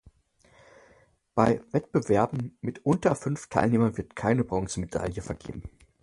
Bei Wettbewerben mit unter fünf Teilnehmern wird keine Bronzemedaille vergeben.